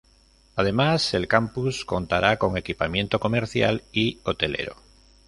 Además, el campus contará con equipamiento comercial y hotelero.